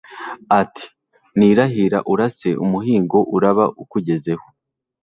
ati nirahira urase, umuhigo uraba ukugezeho